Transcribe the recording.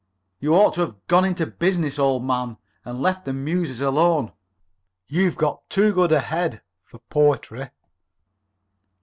You ought to have gone into business, old man, and left the Muses alone. You've got too good a head for poetry."